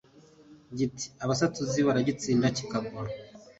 Igiti abasatuzi baragitsinda kikagwa,